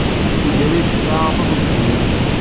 Legrig tesɛa aṭas n tegzirin.